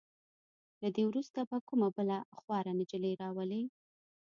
له دې وروسته به کومه بله خواره نجلې راولئ.